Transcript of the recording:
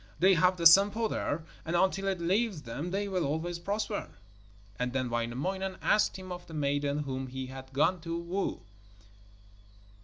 They have the Sampo there, and until it leaves them they will always prosper.' And then Wainamoinen asked him of the maiden whom he had gone to woo.